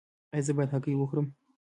ایا زه باید هګۍ وخورم؟